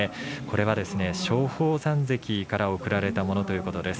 これは松鳳山関から贈られたものということです。